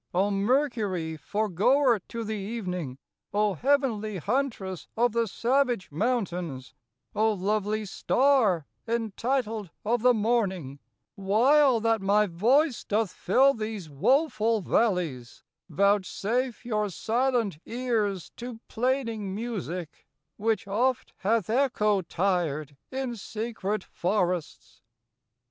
0 Mercurie, foregoer to the event ng y 0 heavenlie huntresse of the savage mountaines y 0 lovelie starre y entitled of the morntng y While that my voice doth fill these wo full v allies y Vouchsafe your silent eares to plaining musique y Which oft hath Echo tir'd in secrete forrests.